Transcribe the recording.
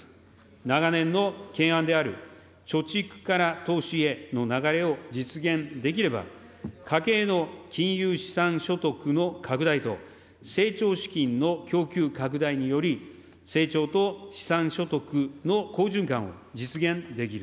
長年の懸案である、貯蓄から投資への流れを実現できれば、家計の金融資産所得の拡大と、成長資金の供給拡大により、成長と資産所得の好循環を実現できる。